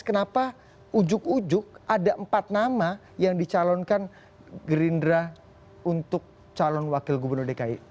kenapa ujuk ujuk ada empat nama yang dicalonkan gerindra untuk calon wakil gubernur dki